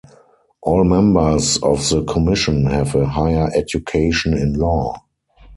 All members of the commission have a higher education in law.